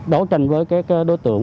đối tranh với đối tượng